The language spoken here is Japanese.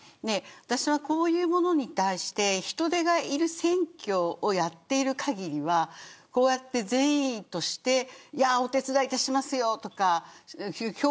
私は、こういうものに対して人手がいる選挙をやっている限りはこうやって善意としてお手伝いいたしますよとか票